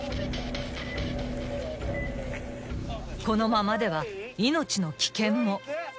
［このままでは命の危険も］